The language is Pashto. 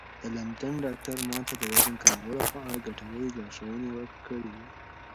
د لندن ډاکتر ما ته د وزن کمولو په اړه ګټورې لارښوونې کړې وې.